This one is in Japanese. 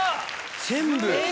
全部！